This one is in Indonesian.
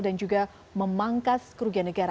dan juga memangkas kerugian negara